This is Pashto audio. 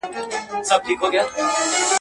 دلایل باید له شک او شبهې څخه پاک وي.